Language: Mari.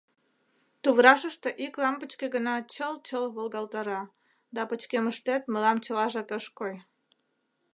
Туврашыште ик лампычке гына чыл-чыл волгалтара, да пычкемыштет мылам чылажак ыш кой.